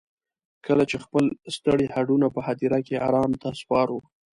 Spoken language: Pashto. کله چې خپل ستړي هډونه په هديره کې ارام ته سپارو.